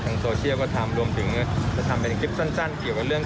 โซเชียลก็ทำรวมถึงจะทำเป็นคลิปสั้นเกี่ยวกับเรื่อง